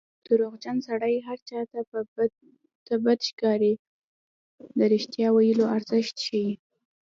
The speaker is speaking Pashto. دروغجن سړی هر چا ته بد ښکاري د رښتیا ویلو ارزښت ښيي